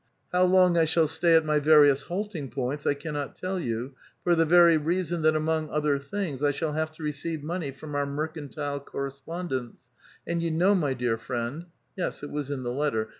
How long I shall stay at my various halting points I cnnnot tell you, for the very reason, that among other things, I shall have to receive money from our mercantile coiTespondents, and you know, my dear friend" — yes ; it was in the letter.